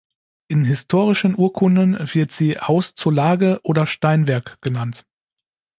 In historischen Urkunden wird sie "Haus zur Lage" oder Steinwerk genannt.